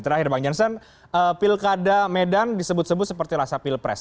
terakhir bang jansen pilkada medan disebut sebut seperti rasa pilpres